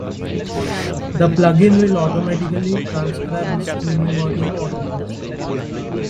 The plug-in will automatically transcribe the streaming audio or video feed.